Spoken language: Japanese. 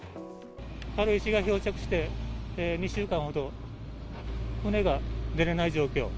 軽石が漂着して２週間ほど船が出れない状況。